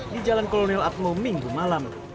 di jalan kolonel atmo minggu malam